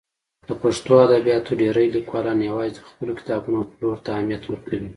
د پښتو ادبیاتو ډېری لیکوالان یوازې د خپلو کتابونو پلور ته اهمیت ورکوي.